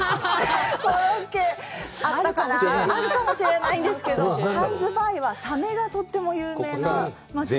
あったかな、あるかもしれないんですけど、ハンズバーイはサメがとっても有名な街なんです。